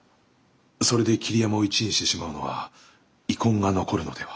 それで桐山を１位にしてしまうのは遺恨が残るのでは。